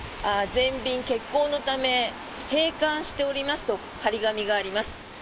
全便欠航のため閉館しておりますと貼り紙があります。